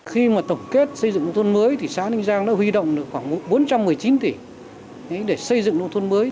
khi mà tổng kết xây dựng nông thôn mới thì xã ninh giang đã huy động được khoảng bốn trăm một mươi chín tỷ để xây dựng nông thôn mới